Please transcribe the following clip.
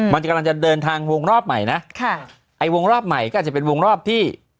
มันกำลังจะเดินทางวงรอบใหม่นะค่ะไอ้วงรอบใหม่ก็อาจจะเป็นวงรอบที่